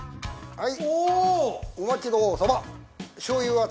はい。